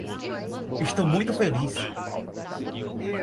Estou muito feliz